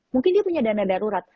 mungkin dia punya dana darurat